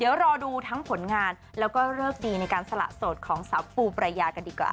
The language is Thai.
เดี๋ยวรอดูทั้งผลงานแล้วก็เลิกดีในการสละโสดของสาวปูปรายากันดีกว่า